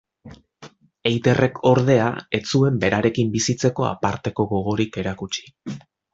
Eiderrek, ordea, ez zuen berarekin bizitzeko aparteko gogorik erakutsi.